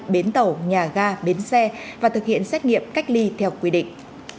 bến tàu nhà ga bến xe và thực hiện xét nghiệm cách ly theo quy định